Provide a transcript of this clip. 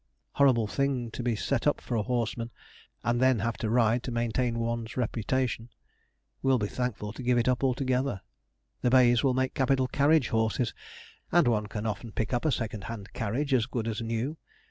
Horrible thing to set up for a horseman, and then have to ride to maintain one's reputation. Will be thankful to give it up altogether. The bays will make capital carriage horses, and one can often pick up a second hand carriage as good as new.